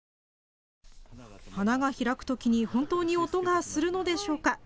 花が開くときに本当に音がするのでしょうか。